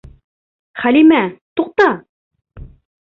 Хәлимә, туҡта!